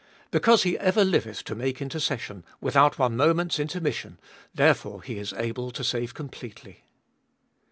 Because He ever liveth to make intercession, without one moment's intermission, therefore He is able to save completely.